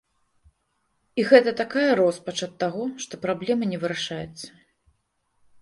І гэта такая роспач ад таго, што праблема не вырашаецца.